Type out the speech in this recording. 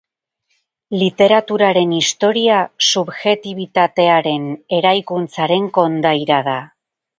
Literaturaren historia, subjektibitatearen eraikuntzaren kondaira da.